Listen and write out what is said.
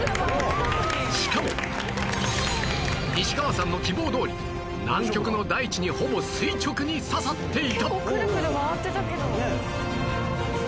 しかも西川さんの希望どおり南極の大地に結構くるくる回ってたけど。